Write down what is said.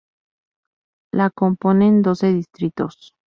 La componen doce distritos.